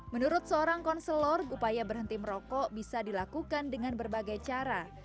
menurut seorang konselor upaya berhenti merokok bisa dilakukan dengan berbagai cara